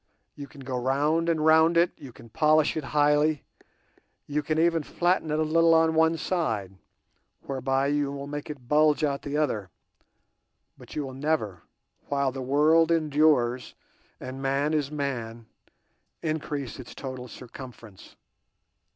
You can go round and round it, you can polish it highly, you can even flatten it a little on one side, whereby you will make it bulge out the other, but you will never, while the world endures and man is man, increase its total circumference.